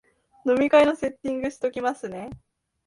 飲み会のセッティングしときますね